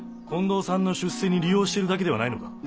近藤さんの出世に利用しているだけではないのか？